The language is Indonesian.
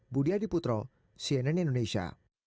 budi adiputro cnn indonesia